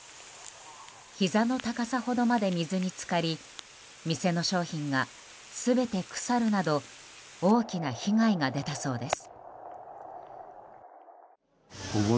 ひざの高さほどまで水に浸かり店の商品が全て腐るなど大きな被害が出たそうです。